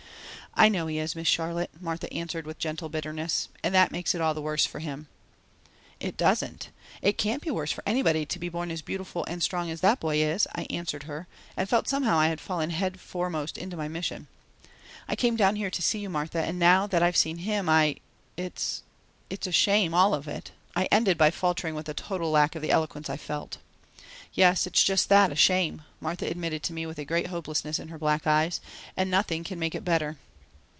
"I know he is, Miss Charlotte," Martha answered with gentle bitterness, "and that makes it all the worse for him." "It doesn't; it can't be worse for anybody to be born as beautiful and strong as that boy is," I answered her and felt somehow I had fallen head foremost into my mission. "I came down here to see you, Martha, and now that I have seen him I it's it's a shame, all of it," I ended by faltering with a total lack of the eloquence that I felt. "Yes, it's just that a shame," Martha admitted to me with a great hopelessness in her black eyes. "And nothing can make it better."